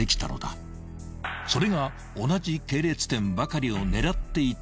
［それが同じ系列店ばかりを狙っていた理由だった］